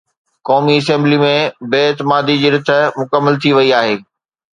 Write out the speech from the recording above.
قومي اسيمبلي ۾ بي اعتمادي جي رٿ مڪمل ٿي وئي آهي